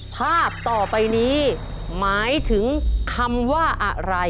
ภาพต่อไปนี้หมายถึงคำว่าอะไร